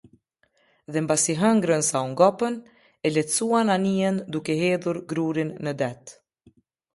Dhe mbasi hëngrën sa u ngopën, e lehtësuan anijen duke hedhur grurin në det.